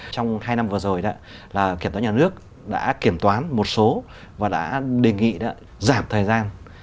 trong hai năm vừa rồi kiểm toán nhà nước đã kiểm toán một số và đã đề nghị giảm thời gian